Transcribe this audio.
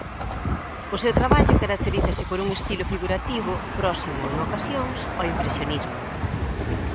O seu traballo caracterízase por un estilo figurativo próximo, en ocasións, ao impresionismo.